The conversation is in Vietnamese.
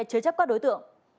chế chấp các đối tượng